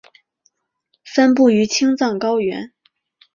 分布于青藏高原。